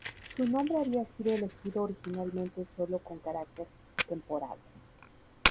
Su nombre había sido elegido originalmente sólo con carácter temporal.